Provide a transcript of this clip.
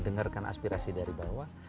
dengarkan aspirasi dari bawah